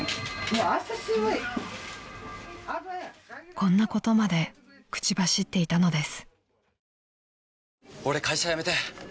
［こんなことまで口走っていたのです］